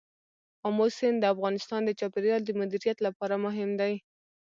آمو سیند د افغانستان د چاپیریال د مدیریت لپاره مهم دي.